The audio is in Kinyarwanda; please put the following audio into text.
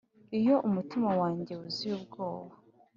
iyo umutima wanjye wuzuye ubwoba,